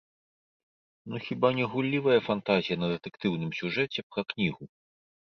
Ну хіба не гуллівая фантазія на дэтэктыўным сюжэце пра кнігу?